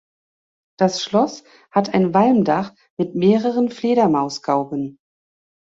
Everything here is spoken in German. Das Schloss hat ein Walmdach mit mehreren Fledermausgauben.